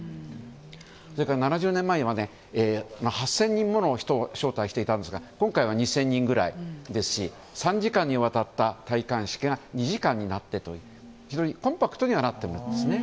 それから、７０年前には８０００人もの人を招待していたんですが今回は２０００人ぐらいですし３時間にわたった戴冠式が２時間になってと非常にコンパクトにはなっているんですね。